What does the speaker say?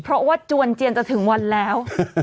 เพราะว่าจวนเจียนจะถึงวันแล้ว